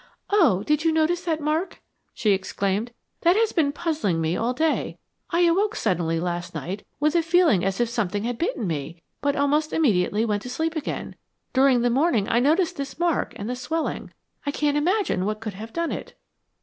"Oh, did you notice that mark?" she exclaimed. "That has been puzzling me all day. I awoke suddenly last night with a feeling as if something had bitten me, but almost immediately went to sleep again. During the morning I noticed this mark and the swelling. I can't imagine what could have done it."